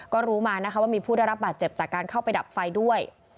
ก็รู้มานะคะว่ามีผู้ได้รับบาดเจ็บจากการเข้าไปดับไฟด้วย